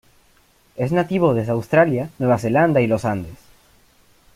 Es nativo desde Australia, Nueva Zelanda y los Andes.